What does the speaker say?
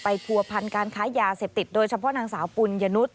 ผัวพันการค้ายาเสพติดโดยเฉพาะนางสาวปุญญนุษย